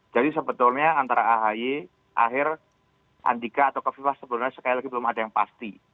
jadi sebetulnya antara ahy aher andika atau kofifah sebenarnya sekali lagi belum ada yang pasti